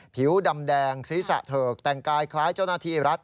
ผิวดำแดงศีรษะเถิกแต่งกายคล้ายเจ้าหน้าที่รัฐ